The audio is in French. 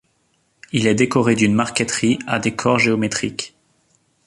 Il est décoré d'une marqueterie à décor géométrique.